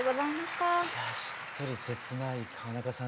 しっとり切ない川中さん